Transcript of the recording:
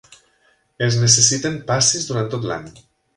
Es necessiten passis durant tot l'any.